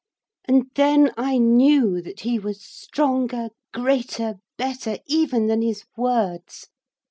And then I knew that he was stronger, greater, better even than his words.